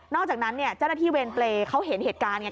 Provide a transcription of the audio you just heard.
นอกจากนั้นเจ้าหน้าที่เวรเบรเค้าเห็นเหตุการณ์